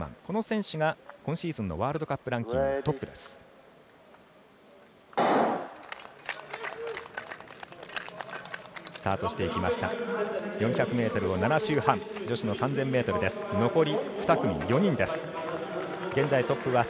この選手が今シーズンのワールドカップランキングトップ。